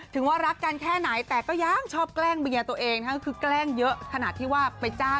ถึงว่ารักกันแค่ไหนแต่ก็ยังชอบแกล้งเมียตัวเองนะฮะ